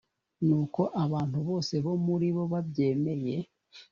nuko abantu bose bo muri bob abyemeye